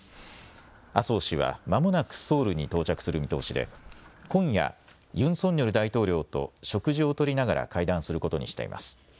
麻生氏はまもなくソウルに到着する見通しで今夜、ユン・ソンニョル大統領と食事をとりながら会談することにしています。